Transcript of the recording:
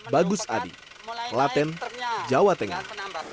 bagus adi klaten jawa tengah